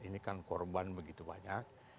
ini kan korban begitu banyak